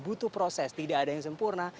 butuh proses tidak ada yang sempurna